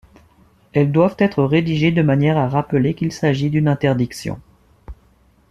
Elles doivent être rédigées de manière à rappeler qu'il s'agit d'une interdiction.